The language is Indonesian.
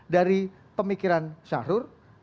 dari pemikiran syahrul